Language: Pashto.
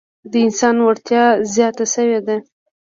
د انسان وړتیا زیاته شوې ده.